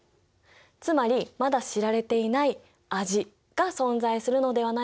つまりまだ知られていない味が存在するのではないかと思いついた。